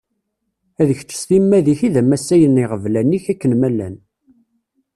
D kečč s timmad-ik i d amasay n yiɣeblan-ik akken ma llan.